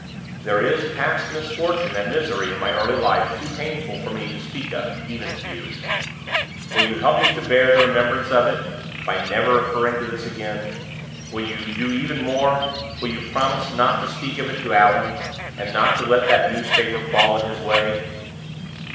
There is past misfortune and misery in my early life too painful for me to speak of, even to you. Will you help me to bear the remembrance of it, by never referring to this again? Will you do even more will you promise not to speak of it to Allan, and not to let that newspaper fall in his way?"